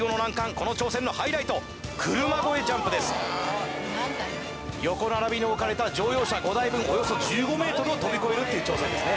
この挑戦のハイライト横並びに置かれた乗用車５台分およそ１５ｍを跳び越えるという挑戦ですね